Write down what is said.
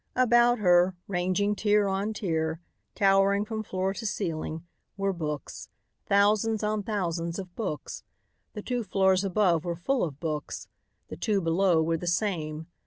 About her, ranging tier on tier, towering from floor to ceiling, were books, thousands on thousands of books. The two floors above were full of books. The two below were the same.